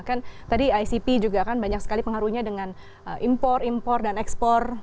kan tadi icp juga kan banyak sekali pengaruhnya dengan impor impor dan ekspor